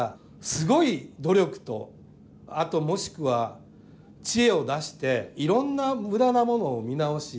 すごい努力とあともしくは知恵を出していろんな無駄なものを見直し